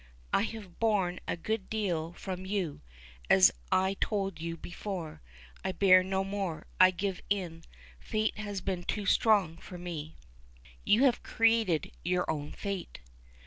I have borne a good deal from you, as I told you before. I'll bear no more. I give in. Fate has been too strong for me." "You have created your own fate."